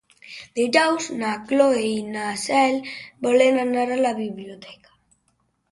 Dijous na Cloè i na Cel volen anar a la biblioteca.